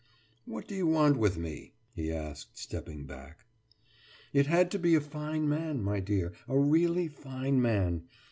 »What do you want with me?« he asked, stepping back. »It had to be a fine man, my dear, a really fine man.